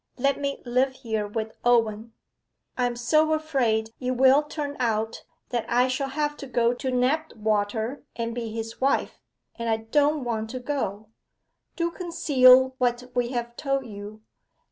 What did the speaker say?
Let me live here with Owen. I am so afraid it will turn out that I shall have to go to Knapwater and be his wife, and I don't want to go. Do conceal what we have told you.